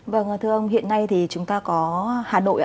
vâng thưa ông hiện nay thì chúng ta có hà nội ạ